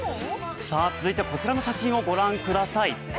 続いて、こちらの写真を御覧ください。